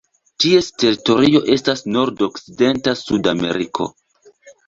Ties teritorio estas nordokcidenta Sudameriko.